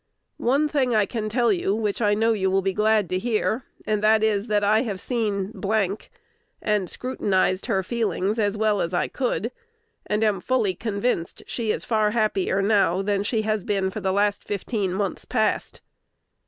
One thing I can tell you which I know you will be glad to hear, and that is that I have seen and scrutinized her feelings as well as I could, and am fully convinced she is far happier now than she has been for the last fifteen months past.